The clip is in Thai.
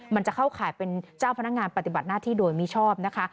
มันจะเข้าข่ายเป็นเจ้าพนักงานปฏิบัติหน้าที่โดยมิชอบนะคะ